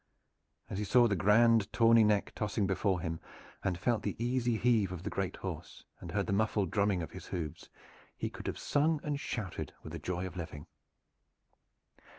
As he saw the grand tawny neck tossing before him, and felt the easy heave of the great horse and heard the muffled drumming of his hoofs, he could have sung and shouted with the joy of living.